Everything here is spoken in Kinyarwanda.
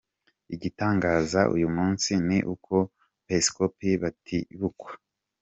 Ikintangaza uyu munsi ni uko abo bepiskopi batibukwa.